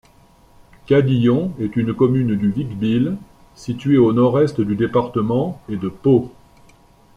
Cadillon est une commune du Vic-Bilh, située au nord-est du département et de Pau.